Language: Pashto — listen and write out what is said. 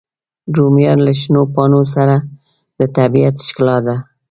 رومیان له شنو پاڼو سره د طبیعت ښکلا ده